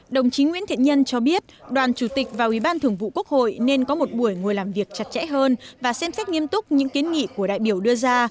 đồng chí nguyễn thiện nhân cho biết đoàn chủ tịch và ủy ban thường vụ quốc hội nên có một buổi ngồi làm việc chặt chẽ hơn và xem xét nghiêm túc những kiến nghị của đại biểu đưa ra